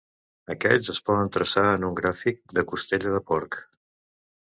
Aquests es poden traçar en un gràfic de "costella de porc".